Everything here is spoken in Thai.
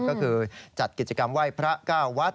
ก็คือจัดกิจกรรมไหว้พระ๙วัด